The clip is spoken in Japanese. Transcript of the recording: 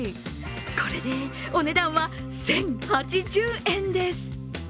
これで、お値段は１０８０円です。